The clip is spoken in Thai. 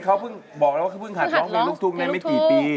เขาบอกว่าเขาพึ่งหัดร้องเพลงลุกทุ้งในไม่กี่ปี